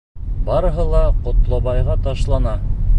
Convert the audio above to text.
Барыһы ла Ҡотлобайға ташлана.